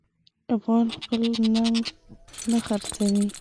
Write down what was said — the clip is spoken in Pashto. افغان خپل ننګ نه خرڅوي.